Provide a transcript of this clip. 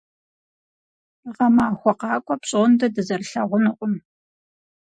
Гъэмахуэ къакӏуэ пщӏондэ дызэрылъэгъунукъым.